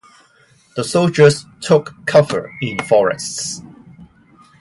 The soldiers took cover in forests.